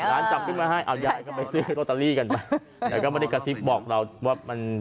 หลานจับขึ้นมาให้หลานก็ไปซื้อทรทลี่กันไปแล้วก็ไม่ได้กระซีบบอกเราว่ามัน